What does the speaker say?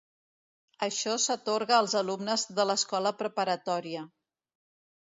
Això s'atorga als alumnes de l'escola preparatòria.